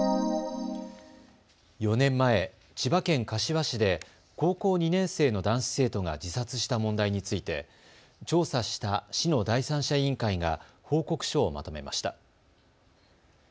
４年前、千葉県柏市で高校２年生の男子生徒が自殺した問題について調査した市の第三者委員会が報告書をまとめました。